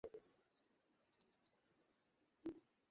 আর যদি নতুন কোনো সূত্র পাই?